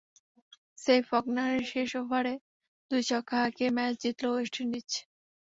সেই ফকনারের শেষ ওভারে দুই ছক্কা হাঁকিয়ে ম্যাচ জিতল ওয়েস্ট ইন্ডিজ।